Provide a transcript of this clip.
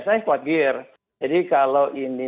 saya khawatir jadi kalau ini